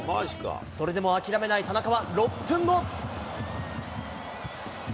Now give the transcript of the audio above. それでも諦めない田中は、６分後。